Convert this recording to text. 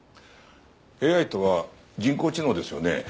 ＡＩとは人工知能ですよね？